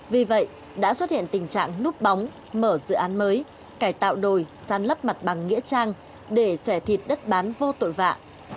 vì vậy đã xuất hiện tình trạng núp bóng mở dự án mới cải tạo đồi săn lấp mặt bằng nghĩa trang để xẻ thịt đất bán vô tội vạ